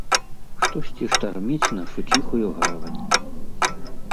Штосьці штарміць нашу ціхую гавань.